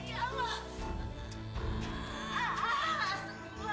ya allah kenapa